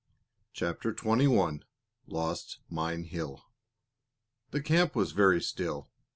CHAPTER XXI LOST MINE HILL The camp was very still.